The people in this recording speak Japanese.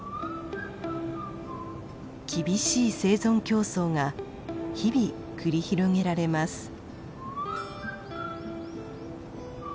厳しい生存競争が日々繰り広げられます。